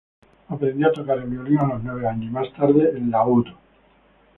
Aprendió a tocar el violín a los nueve años, y más tarde el oud.